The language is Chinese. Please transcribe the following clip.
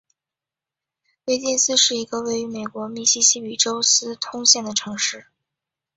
威金斯是一个位于美国密西西比州斯通县的城市。